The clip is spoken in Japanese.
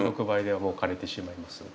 １６倍ではもう枯れてしまいます。